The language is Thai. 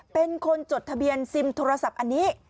เป็นคนจดทะเบียนซิมโทรศัพท์อันนี้